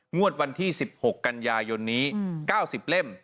งวดวันที่๑๖กันยายนนี้๙๐เล่ม